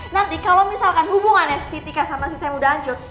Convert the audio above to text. nanti kalo misalkan hubungannya si tika sama si sam udah hancur